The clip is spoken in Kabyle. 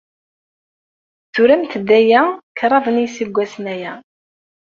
Turamt-d aya kraḍ n yiseggasen aya.